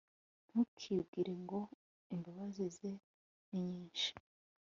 ntukibwire ngo imbabazi ze ni nyinshi